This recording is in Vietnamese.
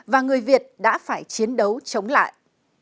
và người việt đã phải chiến đấu chống lại